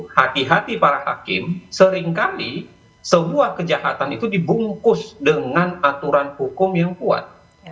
hati hati para hakim seringkali sebuah kejahatan itu dibungkus dengan aturan hukum yang kuat